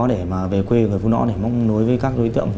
để về quê người phụ nữ đó để mọc nối với các đối tượng